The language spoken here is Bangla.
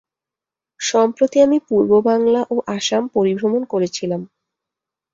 সম্প্রতি আমি পূর্ববাঙলা ও আসাম পরিভ্রমণ করছিলাম।